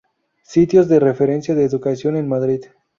Sitios de referencia de Educación en Madrid